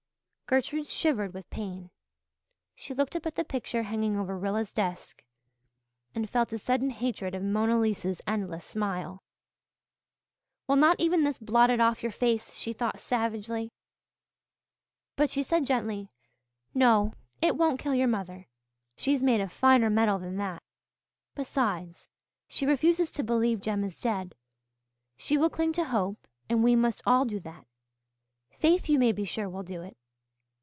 Gertrude shivered with pain. She looked up at the pictures hanging over Rilla's desk and felt a sudden hatred of Mona Lisa's endless smile. "Will not even this blot it off your face?" she thought savagely. But she said gently, "No, it won't kill your mother. She's made of finer mettle than that. Besides, she refuses to believe Jem is dead; she will cling to hope and we must all do that. Faith, you may be sure, will do it."